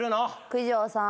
九条さん。